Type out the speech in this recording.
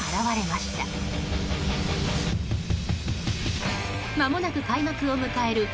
まもなく開幕を迎えるＦＩＦＡ